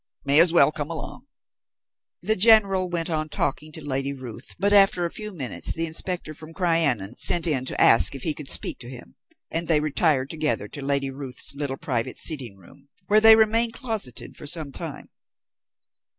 May as well come along." The General went on talking to Lady Ruth, but after a few minutes the inspector from Crianan sent in to ask if he could speak to him, and they retired together to Lady Ruth's little private sitting room, where they remained closeted for some time.